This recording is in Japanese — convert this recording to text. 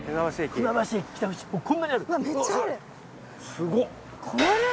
すごっ！